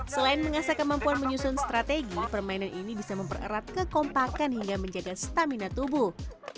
selain mengasah kemampuan menyusun strategi permainan ini bisa mempererat kekompakan hingga menjaga stamina tubuh